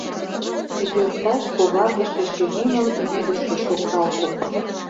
Йӧрташ когаргыше шӱмемым вӱдышкӧ шуҥгалтым.